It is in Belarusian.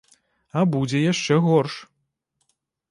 А будзе яшчэ горш.